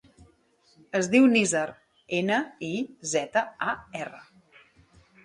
Es diu Nizar: ena, i, zeta, a, erra.